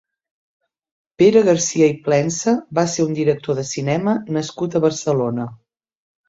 Pere Garcia i Plensa va ser un director de cinema nascut a Barcelona.